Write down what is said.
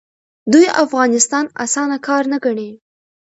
دوی افغانستان اسانه کار نه ګڼي.